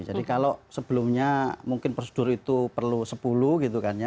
jadi kalau sebelumnya mungkin prosedur itu perlu sepuluh gitu kan ya